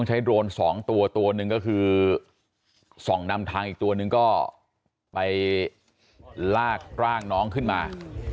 โดรนสองตัวตัวหนึ่งก็คือส่องนำทางอีกตัวนึงก็ไปลากร่างน้องขึ้นมา